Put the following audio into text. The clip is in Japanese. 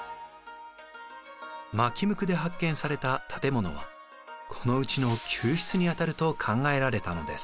纏向で発見された建物はこのうちの宮室にあたると考えられたのです。